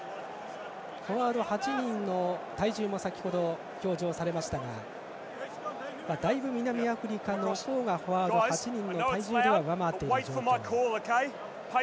フォワード８人の体重も先程、表示をされていましたがだいぶ、南アフリカの方がフォワード８人の体重では上回っている状況。